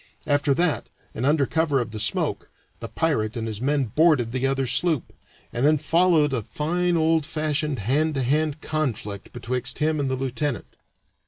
After that, and under cover of the smoke, the pirate and his men boarded the other sloop, and then followed a fine old fashioned hand to hand conflict betwixt him and the lieutenant.